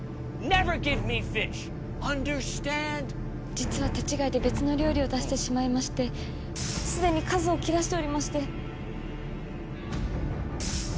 実は手違いで別の料理を出してしまいまして既に数を切らしておりまして。